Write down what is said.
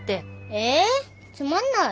えつまんない。